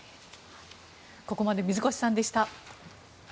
ここまで水越さんでした。